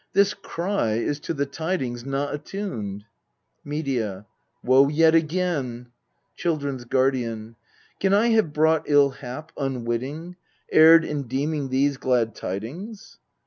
This cry is to the tidings not attuned. Medea. Woe yet again ! Children s Guardian. Can I have brought ill hap Unwitting erred in deeming these glad tidings?